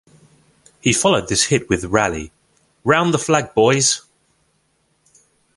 He followed this hit with Rally 'Round the Flag, Boys!